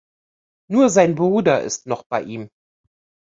Nur sein Bruder ist noch bei ihm.